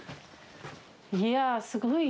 いやすごい。